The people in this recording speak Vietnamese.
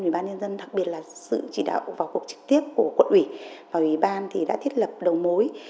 ubnd đặc biệt là sự chỉ đạo vào cuộc trực tiếp của quận ủy và ubnd đã thiết lập đầu mối